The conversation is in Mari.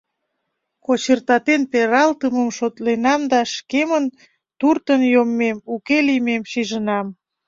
Кочыртатен пералтымым шотленам да шкемын туртын йоммем, уке лиймем шижынам.